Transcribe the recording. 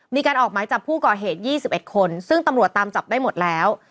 มีการออกหมายจับผู้ก่อเหตุ๒๑คนซึ่งตำรวจตามจับได้หมดแล้ว